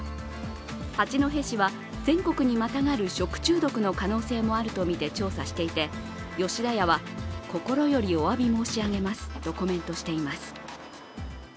八戸市は全国にまたがる食中毒の可能性もあるとみて調査していて吉田屋は心よりおわび申し上げますとコメントしています。